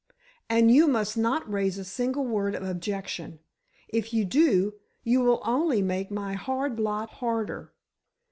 And you must not raise a single word of objection—if you do, you will only make my hard lot harder."